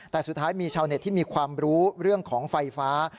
แต่สุดท้ายมีชาวเน็ตที่มีความรู้เรื่องของไฟฟ้า